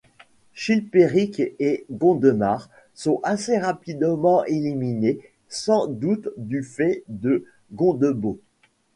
Chilpéric et Gondemar sont assez rapidement éliminés, sans doute du fait de Gondebaud.